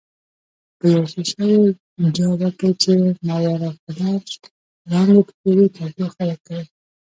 په یوې ښیښه یي جابه کې چې ماورابنفش وړانګې پکښې وې تودوخه ورکول.